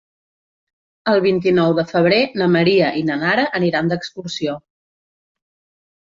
El vint-i-nou de febrer na Maria i na Nara aniran d'excursió.